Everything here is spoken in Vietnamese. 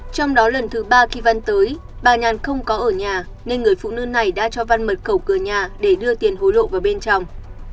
trong đó lần thứ ba kỳ văn tới bà nhàn không có ở nhà nên người phụ nữ này đã cho văn mở cầu cửa nhà để đưa tiền hối lộ vào bên trong